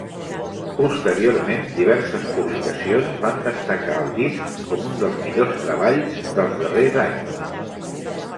Posteriorment, diverses publicacions van destacar el disc com un dels millors treballs dels darrers anys.